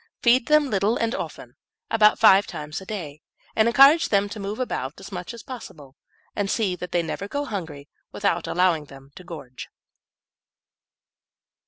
Feed them little and often, about five times a day, and encourage them to move about as much as possible; and see that they never go hungry, without allowing them to gorge.